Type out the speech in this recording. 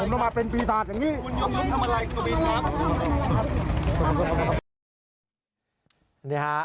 ขอบคุณครับ